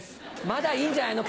まだいいんじゃないの？